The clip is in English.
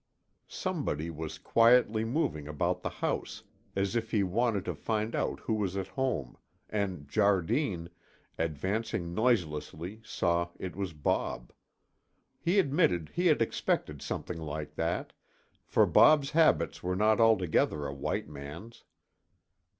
Somebody was quietly moving about the house, as if he wanted to find out who was at home, and Jardine, advancing noiselessly, saw it was Bob. He admitted he had expected something like that, for Bob's habits were not altogether a white man's.